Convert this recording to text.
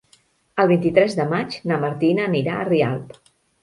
El vint-i-tres de maig na Martina anirà a Rialp.